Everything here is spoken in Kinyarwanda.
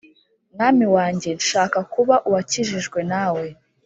Mwami Wanjye nshaka kuba uwakijijwe nawe